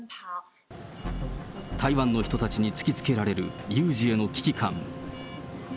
台湾の人たちに突きつけられる有事への危機感。